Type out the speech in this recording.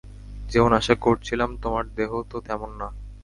যেমন আশা করছিলাম তোমার দেহ তো তেমন না।